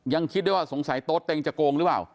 ยังคิดได้ว่าสงสัยโต๊เต็งจะโกงหรือเปล่า